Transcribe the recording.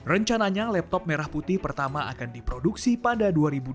rencananya laptop merah putih pertama akan diproduksi pada dua ribu dua puluh